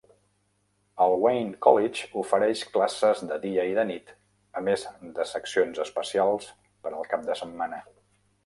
El Wayne College ofereix classes de dia i de nit, a més de seccions especials per al cap de setmana.